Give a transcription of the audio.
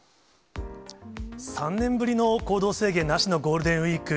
３年ぶりの行動制限なしのゴールデンウィーク。